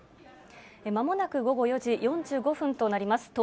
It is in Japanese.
まもなく午後４時４５分となります。